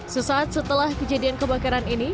sesaat setelah kejadian kebakaran ini